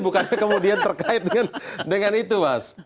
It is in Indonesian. bukannya kemudian terkait dengan itu mas